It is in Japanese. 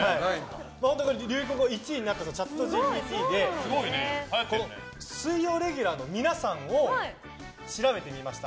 流行語１位になったのがチャットＧＰＴで水曜レギュラーの皆さんも調べてみました。